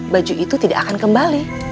baju itu tidak akan kembali